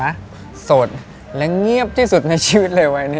ชายลีเซ็งสุทธิ์โสดและเงียบที่สุดในชีวิตเลยวันนี้